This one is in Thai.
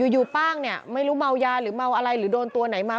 ป้างเนี่ยไม่รู้เมายาหรือเมาอะไรหรือโดนตัวไหนมา